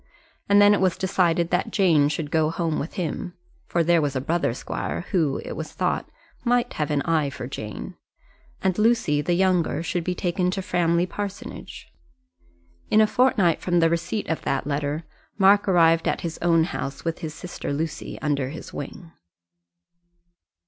And then it was decided that Jane should go home with him, for there was a brother squire who, it was thought, might have an eye to Jane; and Lucy, the younger, should be taken to Framley Parsonage. In a fortnight from the receipt of that letter Mark arrived at his own house with his sister Lucy under his wing.